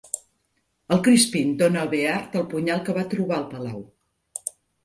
El Crispin dóna al Bear el punyal que va trobar al palau.